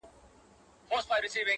زه هم د هغوی اولاد يم.